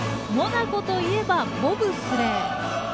モナコといえば、ボブスレー。